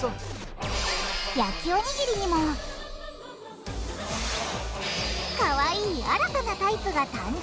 焼きおにぎりにもかわいい新たなタイプが誕生！